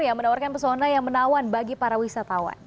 yang menawarkan pesona yang menawan bagi para wisatawan